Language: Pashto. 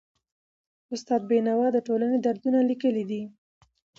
استاد بینوا د ټولني دردونه لیکلي دي.